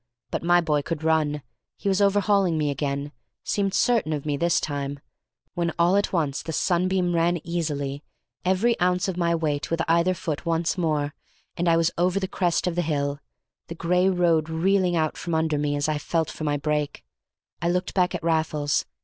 But my boy could run, was overhauling me again, seemed certain of me this time, when all at once the Sunbeam ran easily; every ounce of my weight with either foot once more, and I was over the crest of the hill, the gray road reeling out from under me as I felt for my brake. I looked back at Raffles.